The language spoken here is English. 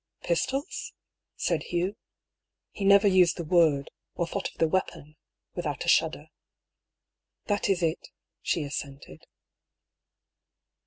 " Pistols ?" said Hugh. He never used the word, or thought of the weapon, without a shudder. " That is it," she assented.